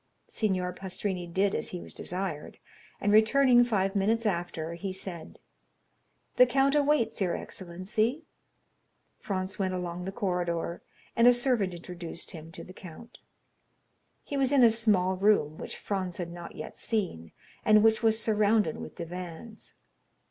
Signor Pastrini did as he was desired, and returning five minutes after, he said: "The count awaits your excellency." Franz went along the corridor, and a servant introduced him to the count. He was in a small room which Franz had not yet seen, and which was surrounded with divans.